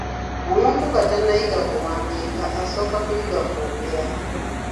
Omuntu nga tannayiga kuwandiika, asooka kuyiga kwogera.